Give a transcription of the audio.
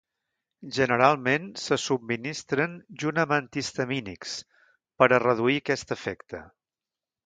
Generalment se subministren junt amb antihistamínics per a reduir aquest efecte.